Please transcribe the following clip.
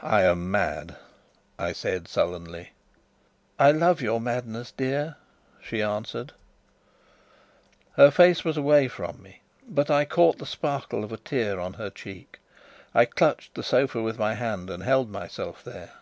"I am mad!" I said sullenly. "I love your madness, dear," she answered. Her face was away from me, but I caught the sparkle of a tear on her cheek. I clutched the sofa with my hand and held myself there.